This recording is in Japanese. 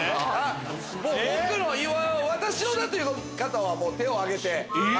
私のだ！という方はもう手を挙げて。